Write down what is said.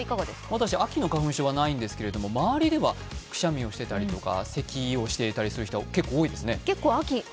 私、秋の花粉症はないんですけれども、周りではくしゃみをしていたりとかせきをしていたりする人が結構多いですね。